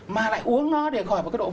mà lại uống nó để khỏi một cái độ